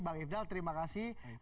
bang ifdal terima kasih